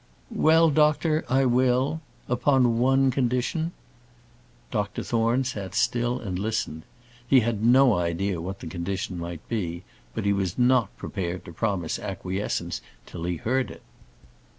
"Well, doctor, I will upon one condition." Dr Thorne sat still and listened. He had no idea what the condition might be, but he was not prepared to promise acquiescence till he heard it.